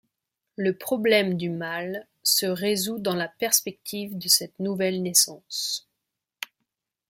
Le problème du mal se résout dans la perspective de cette nouvelle naissance.